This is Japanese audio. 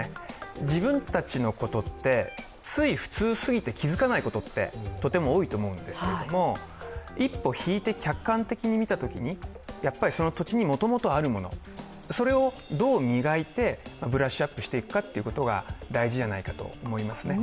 自分たちのことって、つい普通すぎて気付かないことがとても多いと思うんですけど、一歩引いて客観的に見たときにその土地にもともとあるものそれをどう磨いて、ブラッシュアップしていくかということが大事じゃないかと思いますね。